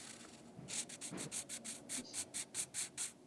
長野県喬木村